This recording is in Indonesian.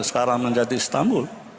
sekarang menjadi istanbul